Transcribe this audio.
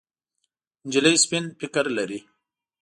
نجلۍ سپين فکر لري.